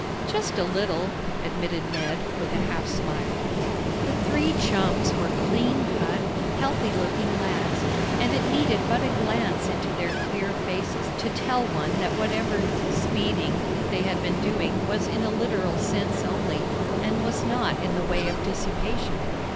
"Just a little," admitted Ned, with a half smile. The three chums were clean cut, healthy looking lads, and it needed but a glance into their clear faces to tell one that whatever "speeding" they had been doing was in a literal sense only, and was not in the way of dissipation.